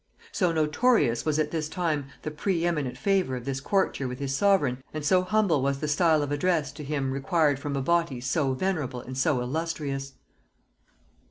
So notorious was at this time the pre eminent favor of this courtier with his sovereign, and so humble was the style of address to him required from a body so venerable and so illustrious!